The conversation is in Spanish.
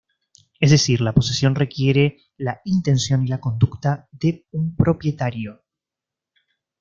Es decir, la posesión requiere la intención y la conducta de un propietario.